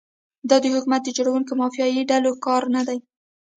دا د حکومت د جوړونکي مافیایي ډلې کار نه دی.